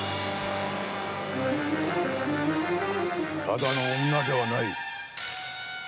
ただの女ではない。